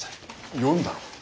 読んだの？